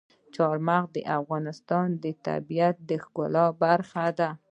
چار مغز د افغانستان د طبیعت د ښکلا برخه ده.